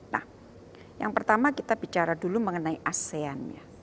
nah yang pertama kita bicara dulu mengenai asean